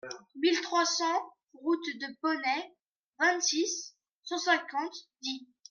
mille trois cents route de Ponet, vingt-six, cent cinquante, Die